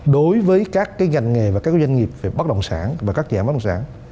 đối với các ngành nghề và các doanh nghiệp về bất đồng sản và các dạng bất đồng sản